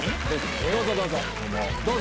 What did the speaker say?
どうぞどうぞ！